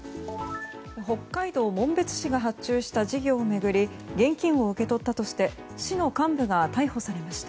北海道紋別市が発注した事業を巡り現金を受け取ったとして市の幹部が逮捕されました。